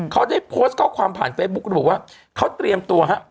เขาได้โพสต์ข้อความผ่านเฟซบุ๊กระบุว่าเขาเตรียมตัวฮะ